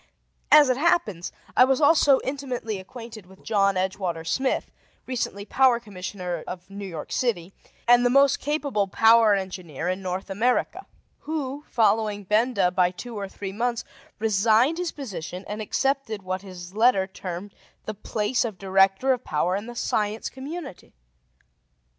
As it happens, I was also intimately acquainted with John Edgewater Smith, recently Power Commissioner of New York City and the most capable power engineer in North America, who, following Benda by two or three months, resigned his position, and accepted what his letter termed the place of Director of Power in the Science Community.